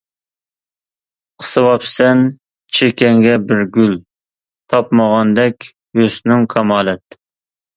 قىسىۋاپسەن چېكەڭگە بىر گۈل، تاپمىغاندەك ھۆسنۈڭ كامالەت.